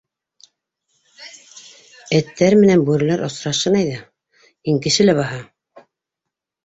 Эттәр менән бүреләр осрашһын әйҙә. һин кеше лә баһа.